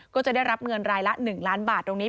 ก็จะได้รับเงินรายละ๑ล้านบาทตรงนี้